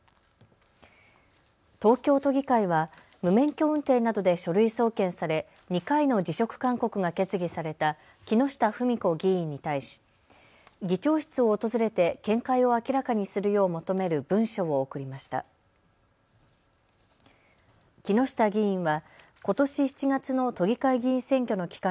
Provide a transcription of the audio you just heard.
東京都議会は無免許運転などで書類送検され、２回の辞職勧告が決議された木下富美子議員に対し議長室を訪れて見解を明らかにするよう求める文書を送りました。